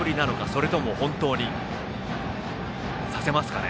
それとも本当に、させますかね。